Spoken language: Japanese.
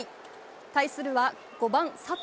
対するは５番佐藤。